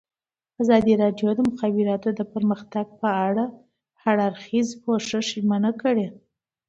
ازادي راډیو د د مخابراتو پرمختګ په اړه د هر اړخیز پوښښ ژمنه کړې.